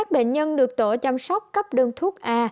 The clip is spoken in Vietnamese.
một bệnh nhân được tổ chăm sóc cấp đơn thuốc a